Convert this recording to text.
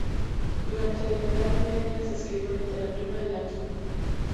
Durante la Edad Media se escribió literatura en latín.